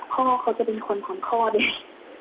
พ่อเขาจะเป็นคนท้องคลอดเอง